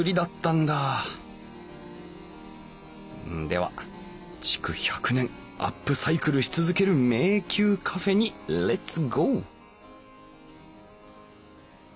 では「築１００年アップサイクルし続ける迷宮カフェ」にレッツゴー！